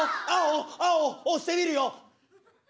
青押してみるよ。